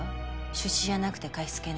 出資じゃなくて貸し付けね。